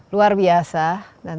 luar biasa dan